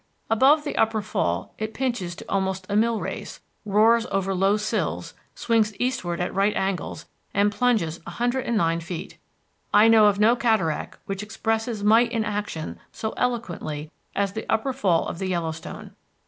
Above the Upper Fall it pinches almost to a mill race, roars over low sills, swings eastward at right angles, and plunges a hundred and nine feet. I know of no cataract which expresses might in action so eloquently as the Upper Fall of the Yellowstone.